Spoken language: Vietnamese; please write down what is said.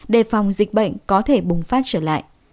đề phòng dịch bệnh có thể bùng phát trở lại